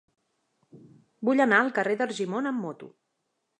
Vull anar al carrer d'Argimon amb moto.